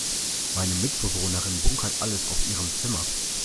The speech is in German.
Meine Mitbewohnerin bunkert alles auf ihrem Zimmer.